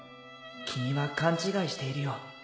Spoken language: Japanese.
君は勘違いしているよ。